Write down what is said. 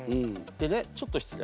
でねちょっと失礼。